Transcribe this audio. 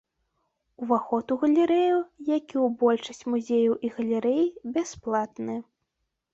Уваход у галерэю, як і ў большасць музеяў і галерэй, бясплатны.